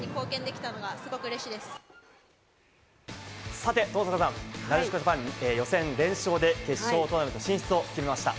さて登坂さん、なでしこジャパンが予選連勝で決勝トーナメント進出を決めました。